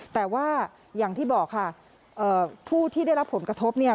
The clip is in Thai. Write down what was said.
แต่ว่าอย่างที่บอกค่ะผู้ที่ได้รับผลกระทบเนี่ย